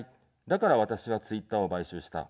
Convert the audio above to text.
だから、私はツイッターを買収した。